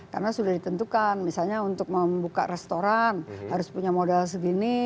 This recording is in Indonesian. karena sudah ditentukan misalnya untuk membuka restoran harus punya modal segini